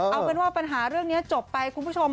เอาเป็นว่าปัญหาเรื่องนี้จบไปคุณผู้ชม